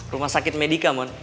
rumah sakit medika bon